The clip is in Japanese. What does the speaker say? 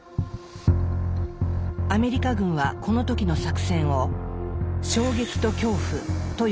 アメリカ軍はこの時の作戦を「衝撃と恐怖」と呼んでいました。